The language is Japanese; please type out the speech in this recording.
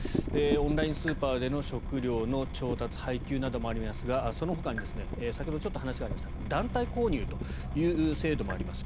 オンラインスーパーでの食料の調達、配給などもありますがそのほかに先ほどちょっと話がありました団体購入という制度もあります。